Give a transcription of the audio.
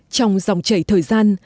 trong dòng chảy thời gian